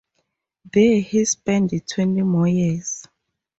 There he spent twenty more years.